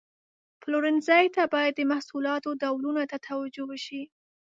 پلورنځي ته باید د محصولاتو ډولونو ته توجه وشي.